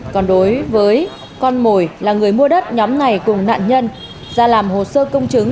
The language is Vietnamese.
còn đối với con mồi là người mua đất nhóm này cùng nạn nhân ra làm hồ sơ công chứng